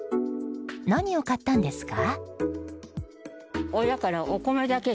何を買ったんですか？